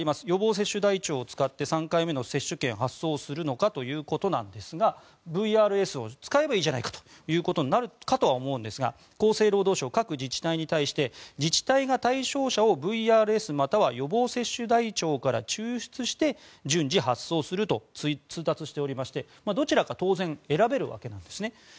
予防接種台帳を使って３回目の接種券発送するのかということですがＶＲＳを使えばいいじゃないかということになるかと思いますが厚生労働省、各自治体に対して自治体が対象者をＶＲＳまたは予防接種台帳から抽出して順次、発送すると通達しておりまして、どちらか当然選べるわけなんです。